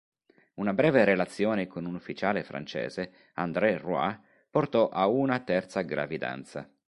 Una breve relazione con un ufficiale francese, André Roy, portò a una terza gravidanza.